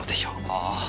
ああ。